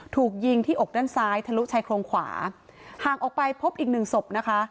ถูกยิงที่อกด้านซ้ายทะลุชายโครงขวาห่างออกไปพบอีกหนึ่งศพนะคะ